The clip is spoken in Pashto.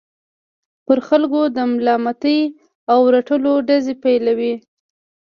پر خلکو د ملامتۍ او رټلو ډزې پيلوي.